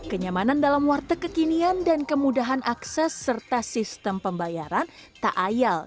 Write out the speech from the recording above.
kenyamanan dalam warteg kekinian dan kemudahan akses serta sistem pembayaran tak ayal